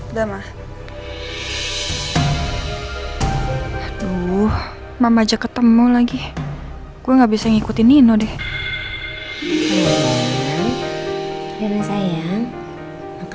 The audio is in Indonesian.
udah mah tuh mama aja ketemu lagi gue nggak bisa ngikutin ini udah